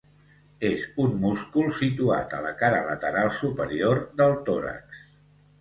És un múscul situat a la cara lateral superior del tòrax.